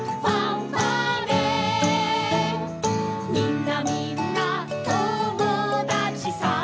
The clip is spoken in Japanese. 「みんなみんな友だちさ」